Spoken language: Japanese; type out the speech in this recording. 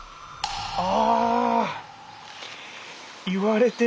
あ！